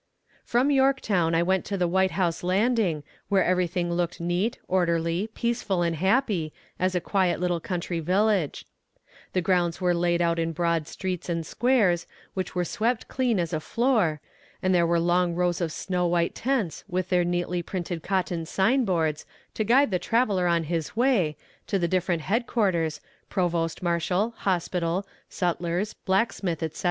From Yorktown I went to the White House Landing, where everything looked neat, orderly, peaceful and happy, as a quiet little country village. The grounds were laid out in broad streets and squares, which were swept clean as a floor, and there were long rows of snow white tents, with their neatly printed cotton sign boards, "to guide the traveler on his way" to the different head quarters, provost marshal, hospital, sutlers, blacksmith, etc.